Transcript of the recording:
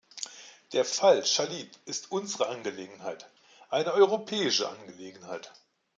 Der Fall Shalit ist unsere Angelegenheit, eine europäische Angelegenheit.